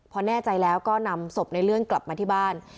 พอแน่ใจแล้วก็นำศพในเลื่อนกลับมาที่บ้าน